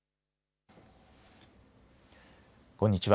こんにちは。